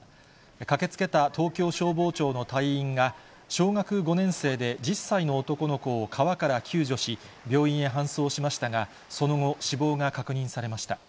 駆けつけた東京消防庁の隊員が、小学５年生で１０歳の男の子を川から救助し、病院へ搬送しましたが、その後、死亡が確認されました。